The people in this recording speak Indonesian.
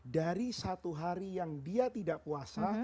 dari satu hari yang dia tidak puasa